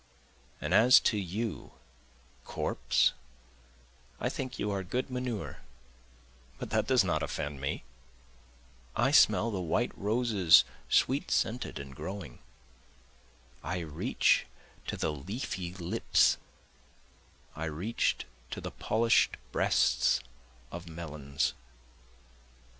And as to you Corpse I think you are good manure, but that does not offend me, I smell the white roses sweet scented and growing, I reach to the leafy lips, I reach to the polish'd breasts of melons.